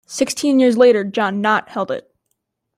Sixteen years later John Nott held it.